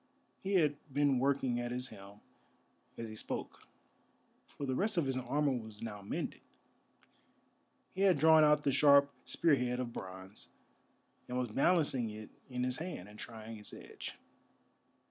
He had been working at his helm as he spoke, for the rest of his armour was now mended. He had drawn out the sharp spear head of bronze, and was balancing it in his hand and trying its edge.